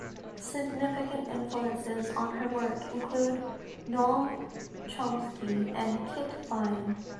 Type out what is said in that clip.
Significant influences on her work include Noam Chomsky and Kit Fine.